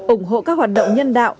ủng hộ các hoạt động nhân đạo